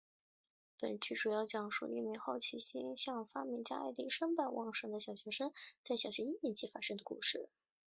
本剧主要讲述一名好奇心像发明家爱迪生般旺盛的小学生在小学一年级发生的故事。